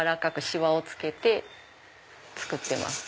しわをつけて作ってます。